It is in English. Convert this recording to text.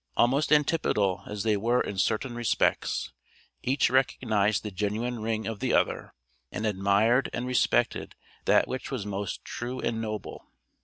Almost antipodal as they were in certain respects, each recognized the genuine ring of the other, and admired and respected that which was most true and noble.